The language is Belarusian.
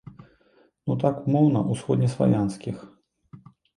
Ну, так умоўна ўсходнеславянскіх.